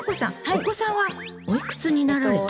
お子さんはおいくつになられたの？